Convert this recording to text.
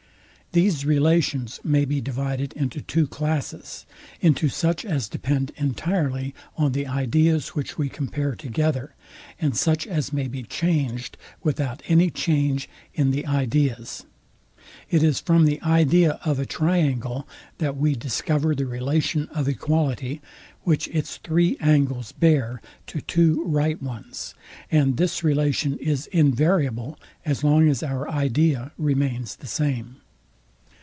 These relations may be divided into two classes; into such as depend entirely on the ideas, which we compare together, and such as may be changed without any change in the ideas. It is from the idea of a triangle, that we discover the relation of equality, which its three angles bear to two right ones; and this relation is invariable, as long as our idea remains the same.